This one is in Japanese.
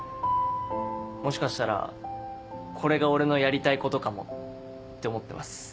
もしかしたらこれが俺のやりたいことかもって思ってます。